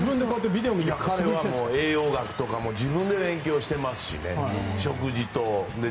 彼は栄養学とか自分で勉強してますし食事とね。